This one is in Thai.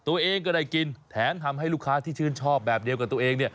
ตัวเองก็ได้กินแถมทำให้ลูกค้าที่ชื่นชอบแบบเดียวกับตัวเอง